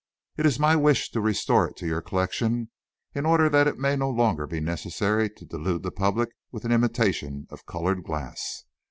It is my wish to restore it to your collection, in order that it may no longer be necessary to delude the public with an imitation of coloured glass.